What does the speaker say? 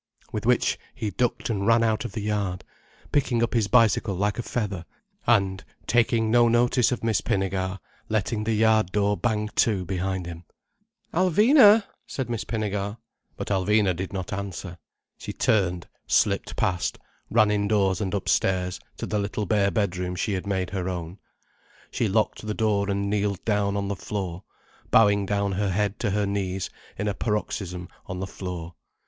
With which he ducked and ran out of the yard, picking up his bicycle like a feather, and, taking no notice of Miss Pinnegar, letting the yard door bang to behind him. "Alvina!" said Miss Pinnegar. But Alvina did not answer. She turned, slipped past, ran indoors and upstairs to the little bare bedroom she had made her own. She locked the door and kneeled down on the floor, bowing down her head to her knees in a paroxysm on the floor.